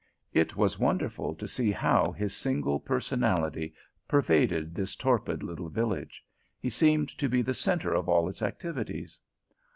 It was wonderful to see how his single personality pervaded this torpid little village; he seemed to be the centre of all its activities.